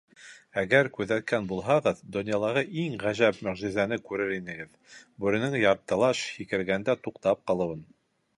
Әгәр күҙәткән булһағыҙ, донъялағы иң ғәжәп мөғжизәне күрер инегеҙ: бүренең яртылаш һикергәндә туҡтап ҡалыуын!